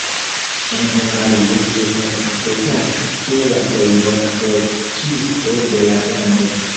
En Hungario li estas aprezata, kiel la plej bona forĝisto de la lando.